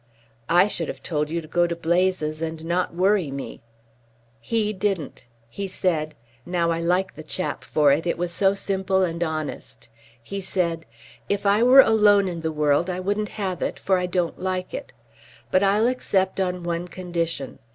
"I should have told you to go to blazes and not worry me." "He didn't. He said now I like the chap for it, it was so simple and honest he said: 'If I were alone in the world I wouldn't have it, for I don't like it. But I'll accept on one condition.